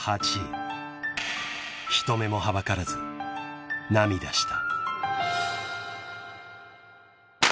［人目もはばからず涙した］